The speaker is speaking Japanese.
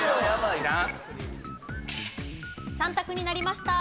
３択になりました。